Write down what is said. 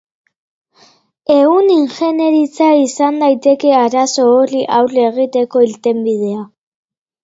Ehun ingeniaritza izan daiteke arazo horri aurre egiteko irtenbidea.